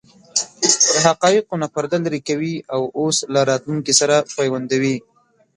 د حقایقو نه پرده لرې کوي او اوس له راتلونکې سره پیوندوي.